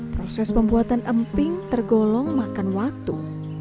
proses pembuatan emping tergolong makan waktu